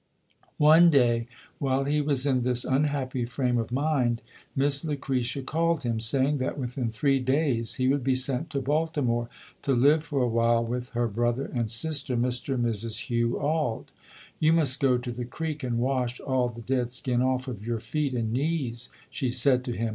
One day, while he was in this unhappy frame of mind, Miss Lucretia called him, saying that within three days he would be sent to Baltimore, to live for a while with her brother and sister, Mr. and Mrs. Hugh Auld. "You must go to the creek and wash all the dead skin off of your feet and knees," she said to him.